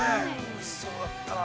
おいしそうだったな。